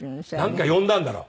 なんか呼んだんだろ